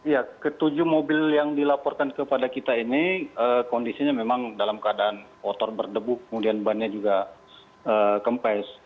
ya ketujuh mobil yang dilaporkan kepada kita ini kondisinya memang dalam keadaan kotor berdebu kemudian bannya juga kempes